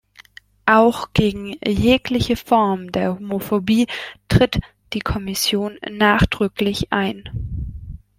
Auch gegen jegliche Form der Homophobie tritt die Kommission nachdrücklich ein.